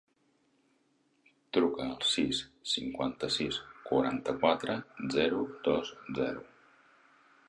Truca al sis, cinquanta-sis, quaranta-quatre, zero, dos, zero.